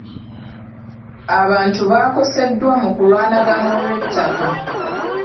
Abantu baakoseddwa mu kulwanagana olw'ettaka.